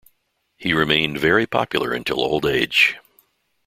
He remained very popular until old age.